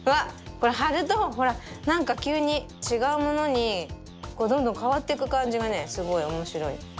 これはるとほらなんかきゅうにちがうものにどんどんかわっていくかんじがねすごいおもしろい。